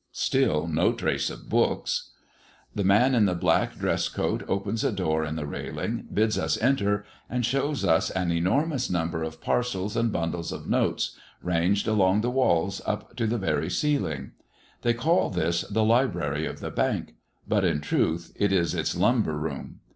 Still no trace of books. The man in the black dress coat opens a door in the railing, bids us enter, and shows us an enormous number of parcels and bundles of notes, ranged along the walls up to the very ceiling. They call this the library of the Bank; but, in truth, it is its lumber room.